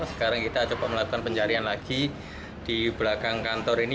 sekarang kita coba melakukan pencarian lagi di belakang kantor ini